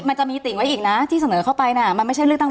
มันจะมีติ่งไว้อีกนะที่เสนอเข้าไปน่ะมันไม่ใช่เลือกตั้ง